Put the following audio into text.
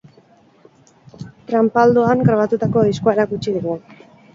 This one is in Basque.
Tranpaldoan grabatutako diskoa erakutsi digu.